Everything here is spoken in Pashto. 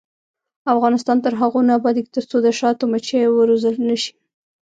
افغانستان تر هغو نه ابادیږي، ترڅو د شاتو مچۍ وروزل نشي.